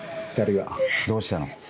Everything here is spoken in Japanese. ２人はどうしたの？